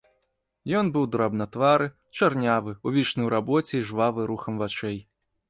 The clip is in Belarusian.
Ён быў драбнатвары, чарнявы, увішны ў рабоце і жвавы рухам вачэй.